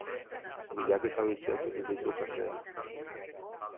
Bilaketa bitxiak egin ditu jendeak.